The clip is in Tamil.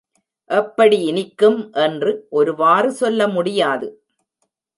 எப்படி இனிக்கும் என்று ஒருவாறு சொல்ல முடியாது.